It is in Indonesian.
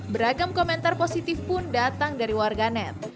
beragam komentar positif pun datang dari warga net